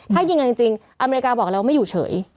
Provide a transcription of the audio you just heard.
ถ้ายิงกันจริงอเมริกาบอกแล้วว่าไม่อยู่เฉย